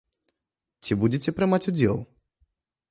Ці будзеце прымаць удзел?